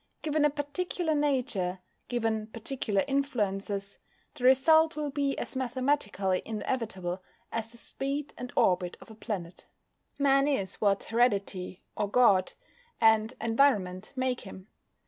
Given a particular nature; given particular influences, the result will be as mathematically inevitable as the speed and orbit of a planet. Man is what heredity (or God) and environment make him.